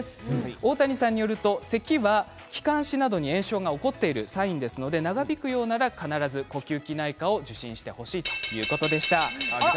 大谷さんによるとせきは気管支などの炎症が起こっているサインですのでただ、長引くようなら必ず病院を受診してくださいということです。